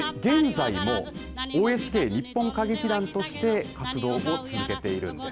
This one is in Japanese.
現在もＯＳＫ日本歌劇団として活動を続けているんです。